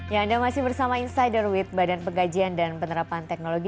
ya anda masih bersama insider with badan pengkajian dan penerapan teknologi